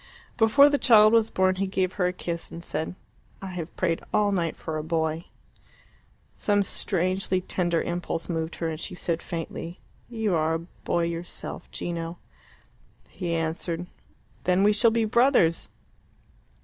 Before the child was born he gave her a kiss, and said, "I have prayed all night for a boy." Some strangely tender impulse moved her, and she said faintly, "You are a boy yourself, Gino." He answered, "Then we shall be brothers."